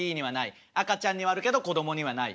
赤ちゃんにはあるけど子供にはない。